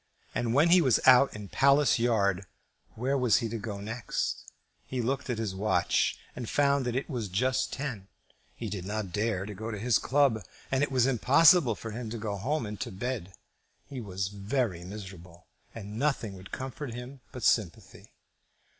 And when he was out in Palace Yard, where was he to go next? He looked at his watch, and found that it was just ten. He did not dare to go to his club, and it was impossible for him to go home and to bed. He was very miserable, and nothing would comfort him but sympathy.